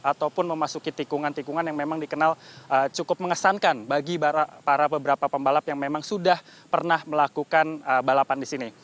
ataupun memasuki tikungan tikungan yang memang dikenal cukup mengesankan bagi para beberapa pembalap yang memang sudah pernah melakukan balapan di sini